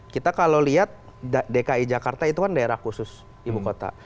kita kalau lihat dki jakarta itu kan daerah khusus ibu kota